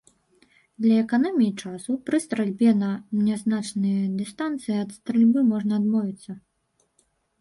Для эканоміі часу, пры стральбе на нязначныя дыстанцыі, ад стрэльбы можна адмовіцца.